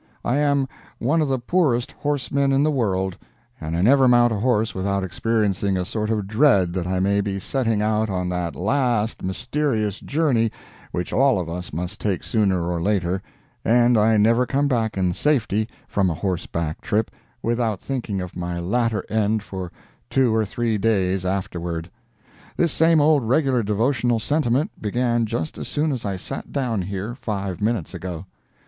I am one of the poorest horsemen in the world, and I never mount a horse without experiencing a sort of dread that I may be setting out on that last mysterious journey which all of us must take sooner or later, and I never come back in safety from a horseback trip without thinking of my latter end for two or three days afterward. This same old regular devotional sentiment began just as soon as I sat down here five minutes ago.